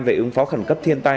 về ứng phó khẩn cấp thiên tai